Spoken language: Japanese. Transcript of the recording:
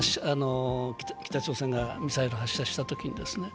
北朝鮮がミサイルを発射したときにですね。